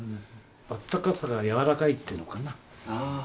あったかさが柔らかいっていうのかな。